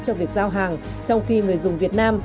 trong việc giao hàng trong khi người dùng việt nam